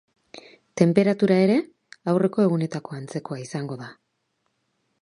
Tenperatura ere, aurreko egunetako antzekoa izango da.